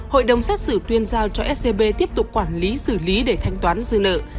hội đồng xét xử tuyên giao cho scb tiếp tục quản lý xử lý để thanh toán dư nợ